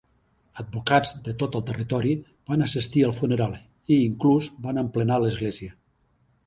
Advocats de tot el territori van assistir al funeral i inclús van emplenar l'església.